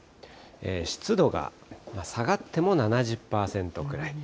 湿度が下がっても７０％ぐらい。